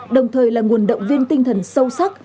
đồng thời là nguồn động viên tinh thần sâu sắc